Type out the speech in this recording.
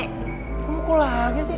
kok mukul lagi sih